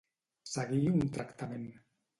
Seguir un tractament.